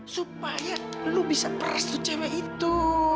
supaya lu bisa peras tuh cewek itu